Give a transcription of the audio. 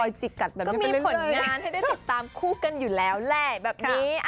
จิกกัดแบบนี้ก็มีผลงานให้ได้ติดตามคู่กันอยู่แล้วแหละแบบนี้